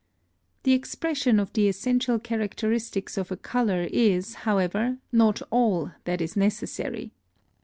The expression of the essential characteristics of a color is, however, not all that is necessary.